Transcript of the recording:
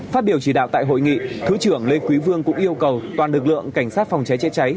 phát biểu chỉ đạo tại hội nghị thứ trưởng lê quý vương cũng yêu cầu toàn lực lượng cảnh sát phòng cháy chữa cháy